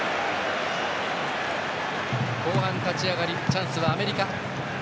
後半立ち上がりチャンスはアメリカ。